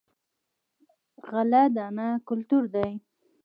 غله دانه کلتور دی.